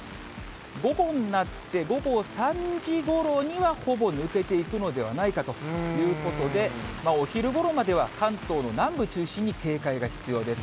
午後になって、午後３時ごろには、ほぼ抜けていくのではないかということで、お昼ごろまでは関東の南部中心に警戒が必要です。